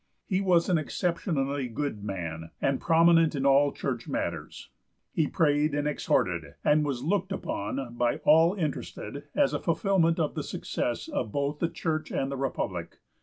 He was an exceptionally good man, and prominent in all church matters. He prayed and exhorted, and was looked upon by all interested as a fulfillment of the success of both the church and the republic.